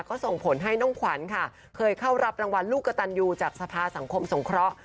ก็ส่งผลให้น้องขวัญค่ะเคยเข้ารับรางวัลลูกกระตันยูจากสภาสังคมสงเคราะห์